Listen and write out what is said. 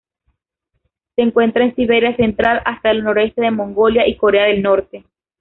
Se encuentra en Siberia central hasta el noroeste de Mongolia y Corea del Norte.